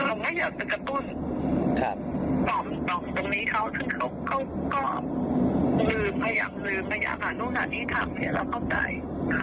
เราก็หายเผื่อหายอะไร